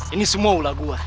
ini semua ulah gua